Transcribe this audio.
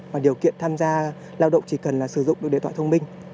và điều kiện tham gia lao động chỉ cần sử dụng được điện thoại thông minh